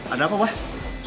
ada apa pak